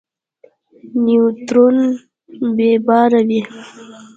نیوترون بې بار وي.